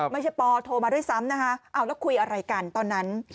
ปอโทรมาด้วยซ้ำนะคะเอาแล้วคุยอะไรกันตอนนั้น